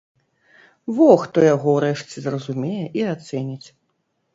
Во хто яго ўрэшце зразумее і ацэніць!